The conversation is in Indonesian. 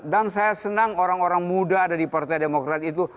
dan saya senang orang orang muda ada di partai demokrat itu